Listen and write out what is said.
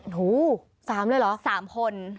โอ้โฮ๓เลยเหรอ๓คน